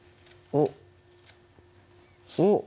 おっ！